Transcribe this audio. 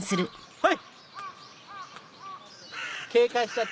はい。